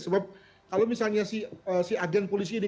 sebab kalau misalnya si agen polisi ini